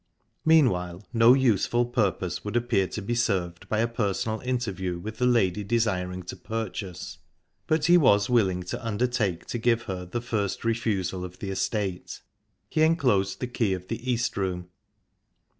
Meanwhile, no useful purpose would appear to be served by a personal interview with the lady desiring to purchase, but he was willing to undertake to give her the first refusal of the estate. He enclosed the key of the East Room.